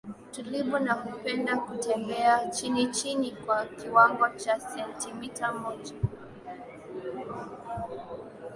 tulivu na hupenda kutembea chini chini kwa kiwango Cha sentimita moja